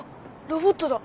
ロボットだ！